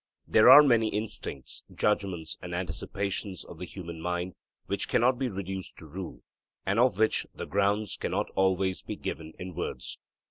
There are many instincts, judgments, and anticipations of the human mind which cannot be reduced to rule, and of which the grounds cannot always be given in words.